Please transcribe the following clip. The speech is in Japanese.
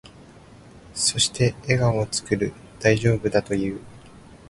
そして、笑顔を作る。大丈夫だと言う。